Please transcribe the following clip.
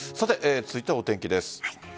続いてはお天気です。